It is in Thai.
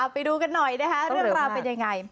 ไปดูกันหน่อยนะคะเรื่องราวเป็นยังไง